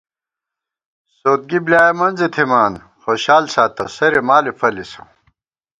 سودگی بۡلیایَہ منزے تھِمان، خوشال ساتہ سرے مالےفلِسہ